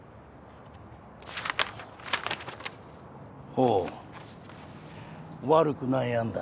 ほう悪くない案だ。